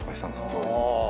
当時。